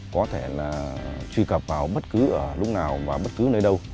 có thể truy cập vào bất cứ lúc nào và bất cứ nơi đâu